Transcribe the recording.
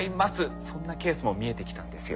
そんなケースも見えてきたんですよ。